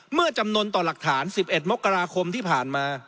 เมื่อจำนวนต่อหลักฐาน๑๑มกราคมที่ผ่านมา